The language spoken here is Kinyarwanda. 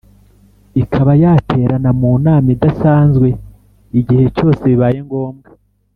ikaba yaterana mu nama idasanzwe igihe cyose bibaye ngombwa